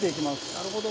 なるほど。